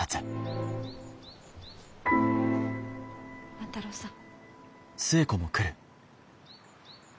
万太郎さん。